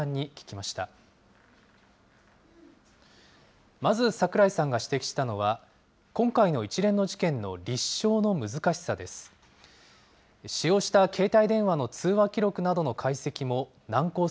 まず櫻井さんが指摘したのは、今回の一連の事件の立証の難しさです。